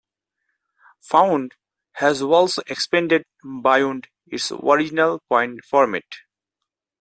"Found" has also expanded beyond its original print format.